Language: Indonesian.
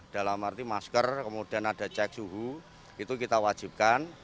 dalam arti masker kemudian ada cek suhu itu kita wajibkan